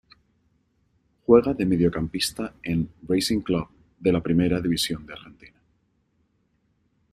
Juega de mediocampista en Racing Club de la Primera División de Argentina.